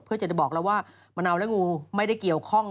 เพื่อจะได้บอกแล้วว่ามะนาวและงูไม่ได้เกี่ยวข้อง